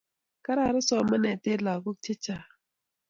Kararan somanet en lakok che chong